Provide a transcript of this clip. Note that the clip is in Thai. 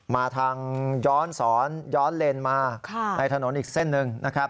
มาทางย้อนสอนย้อนเลนมาในถนนอีกเส้นหนึ่งนะครับ